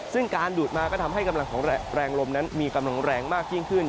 ซึ่งการดูดมาก็ทำให้กำลังของแรงลมนั้นมีกำลังแรงมากยิ่งขึ้น